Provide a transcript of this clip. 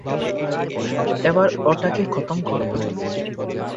এবার ওটাকে খতম করবো।